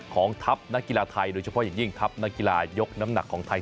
ของทัพนักกีฬาไทยโดยเฉพาะอย่างยิ่งทัพนักกีฬายกน้ำหนักของไทย